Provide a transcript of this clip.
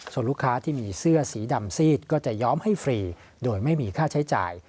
ส่วนลูกค้าที่มีเสื้อสีดำซีดก็จะย้อมให้ฟรีโดยไม่มีค่าใช้จ่าย